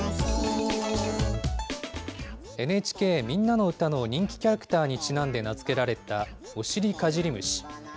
ＮＨＫみんなのうたの人気キャラクターにちなんで名付けられた、オシリカジリムシ。